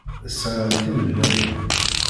Sɣiɣ-d timellalin.